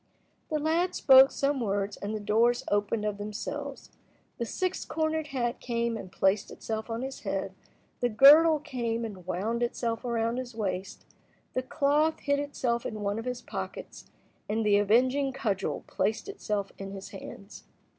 The lad spoke some words and the doors opened of themselves. The six cornered hat came and placed itself on his head, the girdle came and wound itself around his waist, the cloth hid itself in one of his pockets, and the avenging cudgel placed itself in his hands.